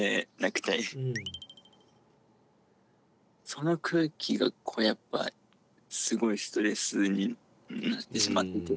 その空気がやっぱすごいストレスになってしまってて。